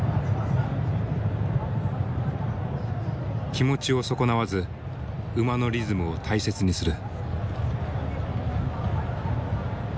気持ちを損なわず馬のリズムを大切にする。